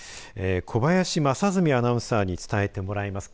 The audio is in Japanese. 小林正純アナウンサーに伝えてもらいます。